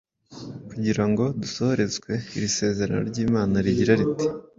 kugira ngo dusohorezwe iri sezerano ry’Imana rigira rit